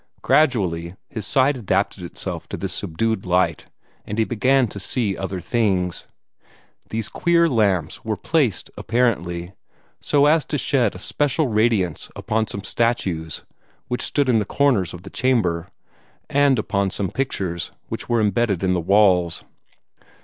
Gradually his sight adapted itself to this subdued light, and he began to see other things. These queer lamps were placed, apparently, so as to shed a special radiance upon some statues which stood in the corners of the chamber, and upon some pictures which were embedded in the walls.